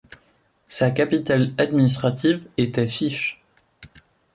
Sa capitale administrative était Fiche.